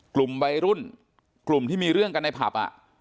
กลุ่มวัยรุ่นกลุ่มที่มีเรื่องกันในผับ